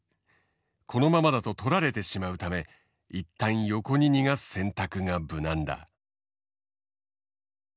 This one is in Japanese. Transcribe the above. このままだと取られてしまうため一旦横に逃がす選択が無難だ。